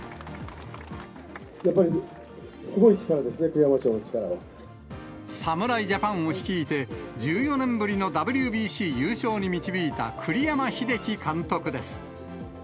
やっぱりすごい力ですね、侍ジャパンを率いて、１４年ぶりのＷＢＣ優勝に導いた栗山英樹監督です。